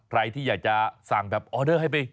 ใครที่อยากจะสั่งแบบออเดอร์ให้ไป